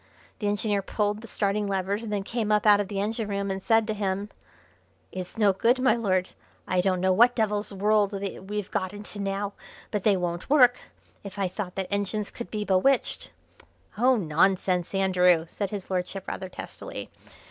The engineer pulled the starting levers, and then came up out of the engine room and said to him: "It's no good, my Lord; I don't know what devil's world we've got into now, but they won't work. If I thought that engines could be bewitched " "Oh, nonsense, Andrew!" said his lordship rather testily.